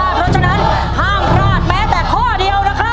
เพราะฉะนั้นห้ามพลาดแม้แต่ข้อเดียวนะครับ